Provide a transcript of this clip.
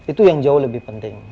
itu yang jauh lebih penting